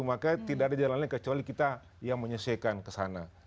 maka tidak ada jalannya kecuali kita yang menyelesaikan kesana